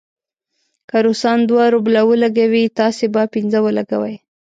که روسان دوه روبله ولګوي، تاسې به پنځه ولګوئ.